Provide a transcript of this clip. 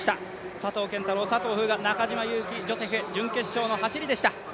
佐藤拳太郎、佐藤風雅、中島佑気ジョセフ、準決勝の走りでした。